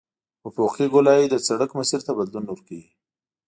افقي ګولایي د سرک مسیر ته بدلون ورکوي